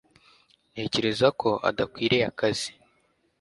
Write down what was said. Ntekereza ko adakwiriye akazi